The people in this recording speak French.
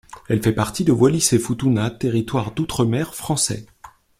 Elle fait partie de Wallis-et-Futuna, territoire d'outre-mer français.